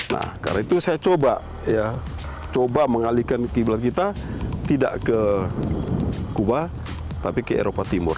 nah karena itu saya coba ya coba mengalihkan kiblat kita tidak ke kuba tapi ke eropa timur